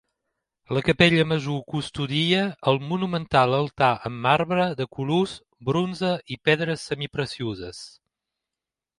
La Capella Major custodia el monumental altar en marbre de colors, bronze i pedres semiprecioses.